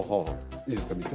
いいですか見て。